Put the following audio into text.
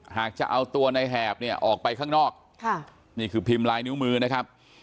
หากจะเอาตัวในแหบเนี่ยออกไปข้างนอกนี่คือพิมพ์ลายนิ้วมือนะครับ